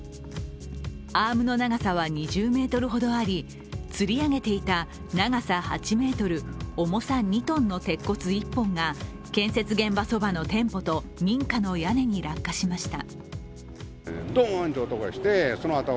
アームの長さは２０ｍほどあり、つり上げていた長さ８ｍ、重さ２ｔの鉄骨１本が建設現場そばの店舗と民家の屋根に落下しました。